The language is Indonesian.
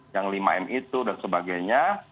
yang lima m itu dan sebagainya